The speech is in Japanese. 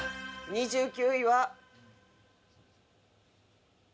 ２９位は。